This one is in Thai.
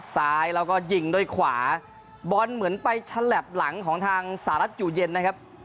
ซ้ายแล้วก็ยิงโดยขวาบอลเหมือนไปชันแหลปหลังของทางสหรัฐจุเย็นนะครับ